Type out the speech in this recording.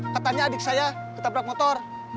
katanya adik saya ketabrak motor